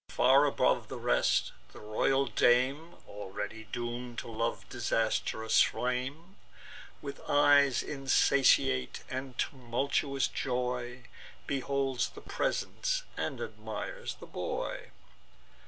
But, far above the rest, the royal dame, (Already doom'd to love's disastrous flame,) With eyes insatiate, and tumultuous joy, Beholds the presents, and admires the boy.